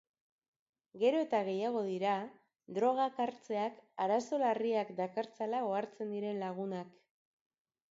Gero eta gehiago dira drogak hartzeak arazo larriak dakartzala ohartzen diren lagunak.